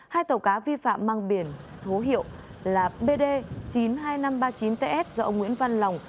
hai tàu cá vi phạm mang biển số hiệu là bd chín mươi hai nghìn năm trăm ba mươi chín ts do ông nguyễn văn lòng